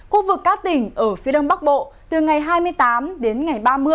khu vực các tỉnh ở phía đông bắc bộ từ ngày hai mươi tám đến ngày ba mươi